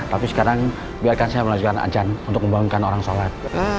tapi sekarang biarkan saya melanjutkan ajan untuk membangunkan orang sholat